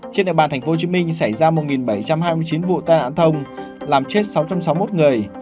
trên địa bàn tp hcm xảy ra một bảy trăm hai mươi chín vụ tai nạn thông làm chết sáu trăm sáu mươi một người